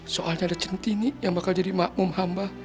soalnya ada centini yang bakal jadi makmum hamba